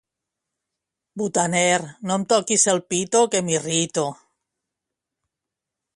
Butaner no em toquis el pito que m'irrito